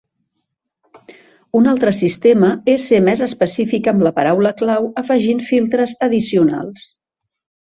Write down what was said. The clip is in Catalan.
Un altre sistema és ser més específic amb la paraula clau afegint filtres addicionals.